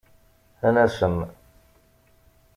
Ad nasem.